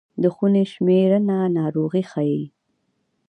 د خونې شمېرنه ناروغي ښيي.